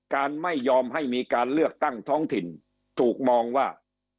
การไม่ยอมให้มีการเลือกตั้งท้องถิ่นถูกมองว่า